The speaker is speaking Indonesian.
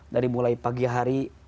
dari mulai pagi hari